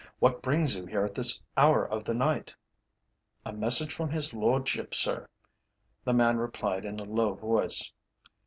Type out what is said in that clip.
'What brings you here at this hour of the night?' "'A message from his Lordship, sir,' the man replied in a low voice.